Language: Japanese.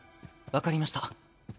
分かりました。